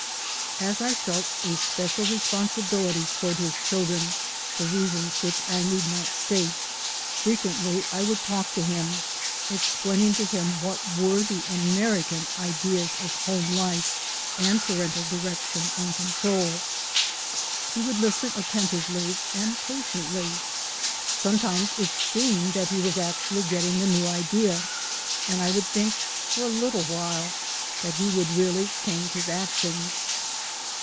As I felt a special responsibility toward his children, for reasons which I need not state, fre quently I would talk to him, explaining to him what were the American ideas of home life and parental direction and control. He would listen atten tively and patiently. Sometimes it seemed that he was actually getting the new idea, and I would think for a little while that he would really change his actions.